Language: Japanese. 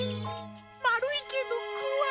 まるいけどこわい。